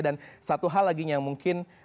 dan satu hal lagi yang mungkin